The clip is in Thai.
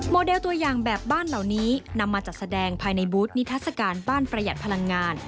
เดลตัวอย่างแบบบ้านเหล่านี้นำมาจัดแสดงภายในบูธนิทัศกาลบ้านประหยัดพลังงาน